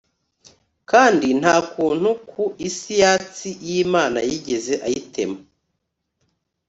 kandi nta kuntu ku isi yatsi y'imana yigeze ayitema